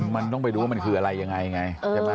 มันต้องไปดูว่ามันคืออะไรอย่างไร